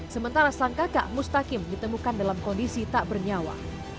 sementara sang kakak mustakim ditemukan dalam kondisi tak bernyawa